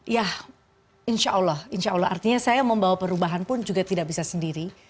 ya insya allah insya allah artinya saya membawa perubahan pun juga tidak bisa sendiri